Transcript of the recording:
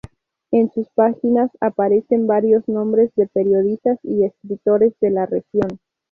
En sus páginas aparecen varios nombres de periodistas y escritores de la región.